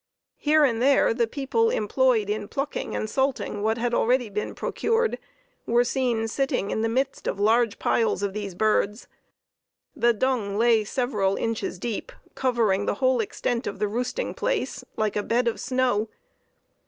Here and there, the people employed in plucking and salting what had already been procured, were seen sitting in the midst of large piles of these birds. The dung lay several inches deep, covering the whole extent of the roosting place, like a bed of snow.